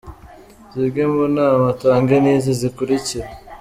Zimwe mu nama atanga n’izi zikurikira:.